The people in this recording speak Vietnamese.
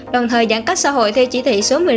đồng thời giãn cách xã hội theo chỉ thị số một mươi năm